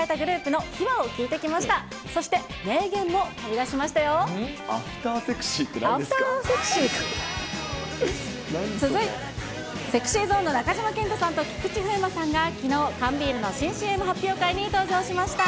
ＳｅｘｙＺｏｎｅの中島健人さんと菊池風磨さんがきのう、缶ビールの新ＣＭ発表会に登場しました。